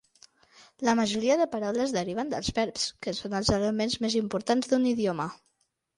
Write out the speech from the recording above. La majoria de paraules deriven dels verbs, que són els elements més importants d'un idioma.